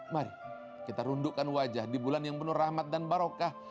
mari kita rundukkan wajah di bulan yang penuh rahmat dan barokah